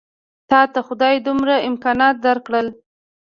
تاته خدای دومره امکانات درکړل.